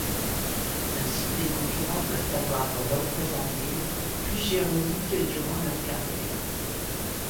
Ainsi des concurrents peuvent avoir représenté plusieurs ligues durant leur carrière.